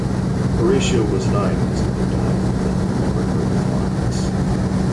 Horatio was nine when his mother died, but remembered her with fondness.